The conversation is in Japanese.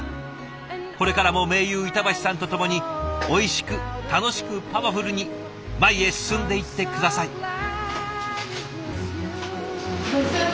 これからも盟友板橋さんと共においしく楽しくパワフルに前へ進んでいって下さい。